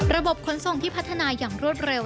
ขนส่งที่พัฒนาอย่างรวดเร็ว